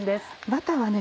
バターはね